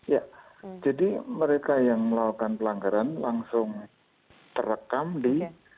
ya jadi mereka yang melakukan pelanggaran langsung terekam di